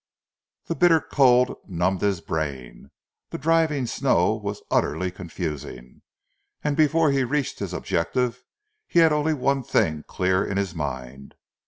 The bitter cold numbed his brain; the driving snow was utterly confusing, and before he reached his objective he had only one thing clear in his mind.